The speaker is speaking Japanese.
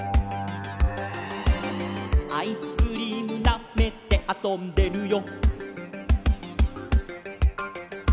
「アイスクリームなめてあそんでるよ」